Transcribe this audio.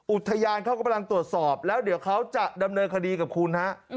อุทยานเขากำลังตรวจสอบแล้วเดี๋ยวเขาจะดำเนินคดีกับคุณฮะ